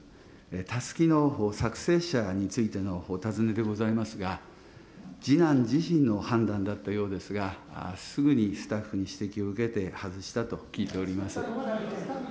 たすきの作製者についてのお尋ねでございますが、次男自身の判断だったようですが、すぐにスタッフに指摘を受けて外したと聞いております。